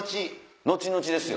後々ですよ。